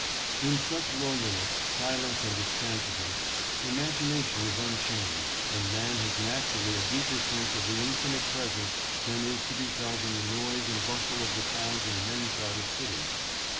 In such loneliness, silence and expan siveness, imagination is unchained and man has natu rally a deeper sense of the Infinite Presence than is to be felt in the noise and bustle of the towns and men crowded cities.